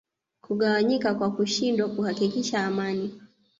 kugawanyika kwa kushindwa kuhakikisha amani